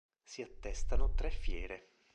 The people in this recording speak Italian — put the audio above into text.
Si attestano tre fiere.